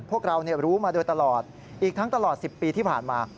พวกเรารู้มาโดยตลอดอีกทั้งตลอด๑๐ปีที่ผ่านมา